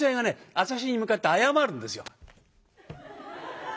私に向かって謝るんですよ。